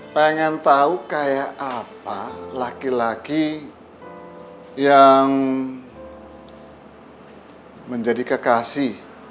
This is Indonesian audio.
pengen tahu kayak apa laki laki yang menjadi kekasih